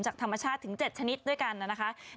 จากธรรมชาติถึง๗ชนิดด้วยกัน